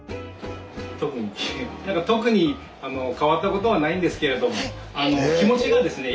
特に特に変わったことはないんですけれども気持ちがですね